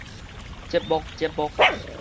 節目節目